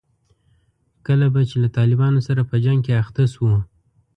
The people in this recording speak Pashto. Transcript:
کله به چې له طالبانو سره په جنګ کې اخته شوو.